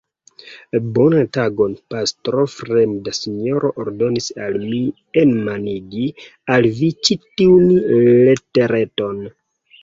Bonan tagon, pastro; fremda sinjoro ordonis al mi enmanigi al vi ĉi tiun letereton.